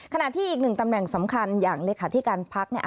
ขณะที่อีก๑ตำแหน่งสำคัญอย่างลี่ค่าที่การพัก